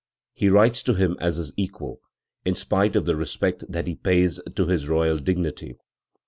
He writes to him as his equal, in spite of the respect that he pays to his royal dignity.